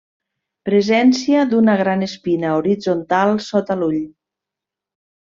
Presència d'una gran espina horitzontal sota l'ull.